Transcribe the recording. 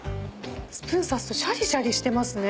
スプーン挿すとシャリシャリしてますね。